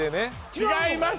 違います